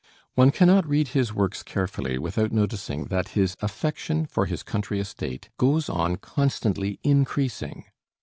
One cannot read his works carefully without noticing that his affection for his country estate goes on constantly increasing.